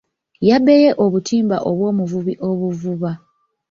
Yabbeye obutimba obw'omuvubi obuvuba.